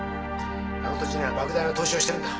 あの土地には莫大な投資をしてるんだ。